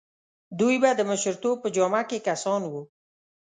دوی به د مشرتوب په جامه کې کسان وو.